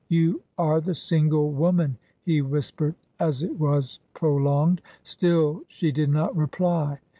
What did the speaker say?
" You are the single woman," he whispered, as it was prolonged. Still she did not reply.